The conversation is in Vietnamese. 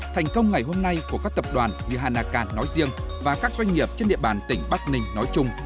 thành công ngày hôm nay của các tập đoàn như hanaka nói riêng và các doanh nghiệp trên địa bàn tỉnh bắc ninh nói chung